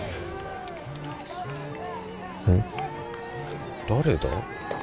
うん誰だ？